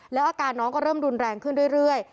แล้วอาการน้องก็เริ่มรุนแรงขึ้นเรื่อย